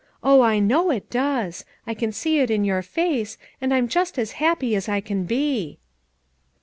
Oh, I know it does; I can see it in your face, and I'm just as happy as I can he.